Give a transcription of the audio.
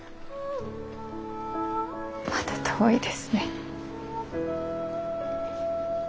また遠いですね。